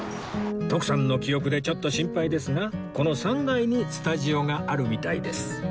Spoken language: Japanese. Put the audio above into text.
徳さんの記憶でちょっと心配ですがこの３階にスタジオがあるみたいです